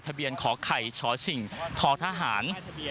ทะเบียนขอไข่ชอชิงทธหาร๘๗๒